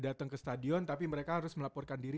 datang ke stadion tapi mereka harus melaporkan diri